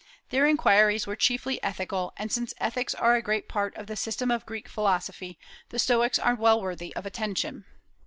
Their inquiries were chiefly ethical; and since ethics are a great part of the system of Greek philosophy, the Stoics are well worthy of attention.